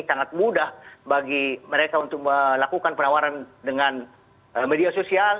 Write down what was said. sangat mudah bagi mereka untuk melakukan penawaran dengan media sosial